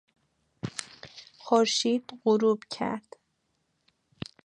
خورشید غروب کرد.